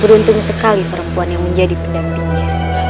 beruntung sekali perempuan yang menjadi pendampingnya